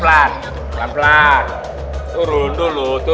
jalan kaki itu jahat